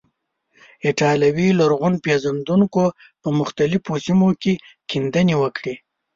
ایټالوي لرغون پیژندونکو په مختلفو سیمو کې کیندنې وکړې.